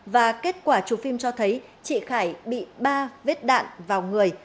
và kết quả chụp phim cho thấy chị khải bị ba vết đạn vào người